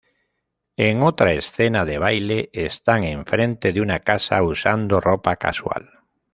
En otra escena de baile, están en frente de una casa usando ropa casual.